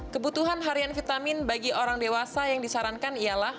kebutuhan harian vitamin bagi orang dewasa yang disarankan ialah